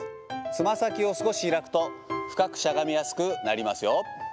つま先を少し開くと、深くしゃがみやすくなりますよ。